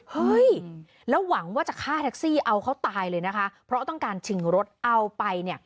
เฮ้ยแล้วหวังว่าจะฆ่าแท็กซี่เอาเขาตายเลยนะคะเพราะต้องการชิงรถเอาไปเนี่ย